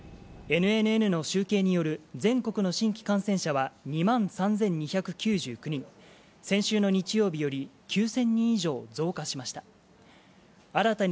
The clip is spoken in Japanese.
ＮＮＮの集計による全国の新規感染者は、２万３２９９人、先週の日曜日より９０００人以上増加しました。